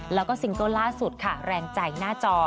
แล้วก็ซิงเกิลล่าสุดค่ะแรงใจหน้าจอ